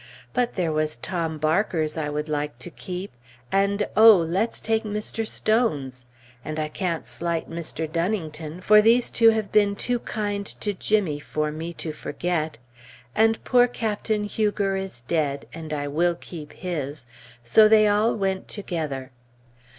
But there was Tom Barker's I would like to keep, and oh! let's take Mr. Stone's! and I can't slight Mr. Dunnington, for these two have been too kind to Jimmy for me to forget; and poor Captain Huger is dead, and I will keep his, so they all went together.